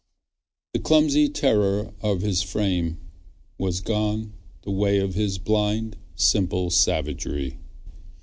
The clumsy terror of his frame has gone The way of his blind, simple savagery.